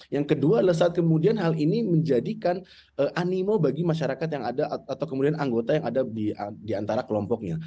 yang kedua adalah saat kemudian hal ini menjadikan animo bagi masyarakat yang ada atau kemudian anggota yang ada di antara kelompoknya